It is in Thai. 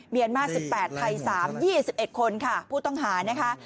เมียนมา๑๘ไทย๓๒๑คนค่ะผู้ต้องหานะคะ